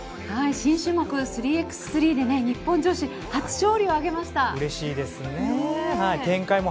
新種目３ｘ３で日本女子、初勝利を挙げました。